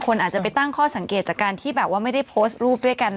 เพราะตอนนี้ถามพี่เมย์หมดก็ไม่ได้